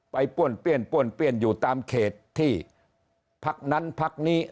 ไปป้วนเปลี่ยนป้วนเปลี่ยนอยู่ตามเขตที่พรรคนั้นพรรคนี้